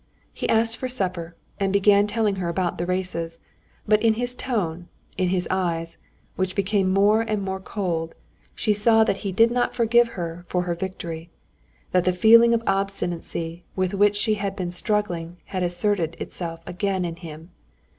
He asked for supper, and began telling her about the races; but in his tone, in his eyes, which became more and more cold, she saw that he did not forgive her for her victory, that the feeling of obstinacy with which she had been struggling had asserted itself again in him.